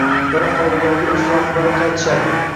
Dala-hovlilarga o`z sohiblari qaytishadi